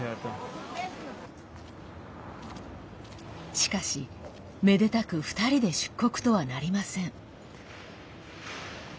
しかし、めでたく２人で出国とはなりません。